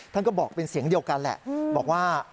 ท่านก็บอกเป็นเสียงเดียวกันแหละบอกว่า